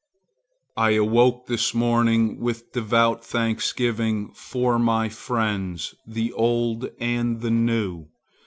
I awoke this morning with devout thanksgiving for my friends, the old and the new.